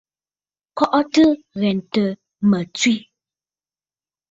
Kɔʼɔtə ŋghɛntə mə tswe.